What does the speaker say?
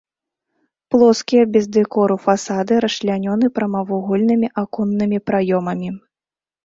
Плоскія без дэкору фасады расчлянёны прамавугольнымі аконнымі праёмамі.